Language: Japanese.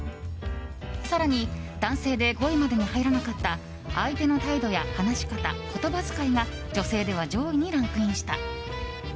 更に男性で５位までに入らなかった相手の態度や話し方・言葉遣いが女性では上位にランクインした。